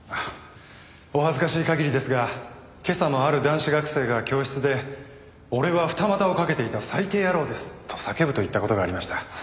お恥ずかしい限りですが今朝もある男子学生が教室で「俺は二股をかけていた最低野郎です」と叫ぶといった事がありました。